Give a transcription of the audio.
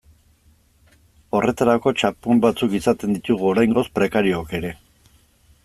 Horretarako txanpon batzuk izaten ditugu oraingoz prekariook ere.